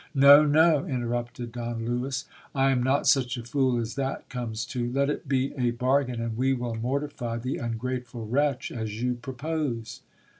No, no, interrupted Don Lewis, I am not such a fool as that comes to ; let it be a bar gain, and we will mortify the ungrateful wretch as you propose.